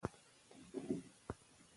دا جملې د متن پر اساس جوړي سوي دي.